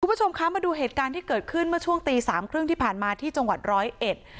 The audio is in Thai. คุณผู้ชมคะมาดูเหตุการณ์ที่เกิดขึ้นเมื่อช่วงตีสามครึ่งที่ผ่านมาที่จังหวัดร้อยเอ็ด